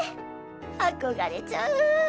憧れちゃう！